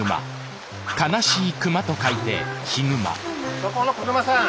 そこの子熊さん